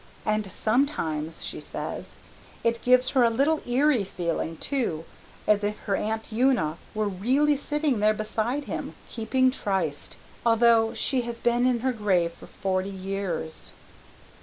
And sometimes, she says, it gives her a little eerie feeling, too, as if her Aunt Una were really sitting there beside him, keeping tryst, although she has been in her grave for forty years."